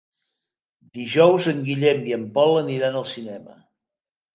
Dijous en Guillem i en Pol aniran al cinema.